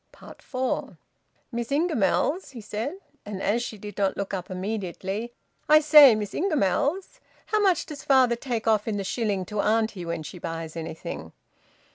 FOUR. "Miss Ingamells," he said: and, as she did not look up immediately, "I say, Miss Ingamells! How much does father take off in the shilling to auntie when she buys anything?"